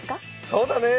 そうだね。